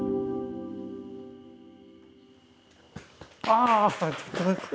ああ！